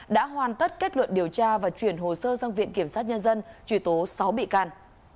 đã hoàn tất kết luận điều tra và chuyển hồ sơ sang viện kiểm sát nhân dân truy tố sáu bị can